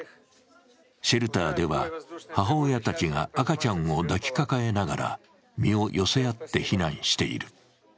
シェルターでは母親たちが赤ちゃんを抱き抱えながら身を寄せ合って避難している。